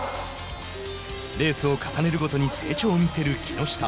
レースを重ねるごとに成長を見せる木下。